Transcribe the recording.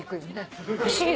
不思議。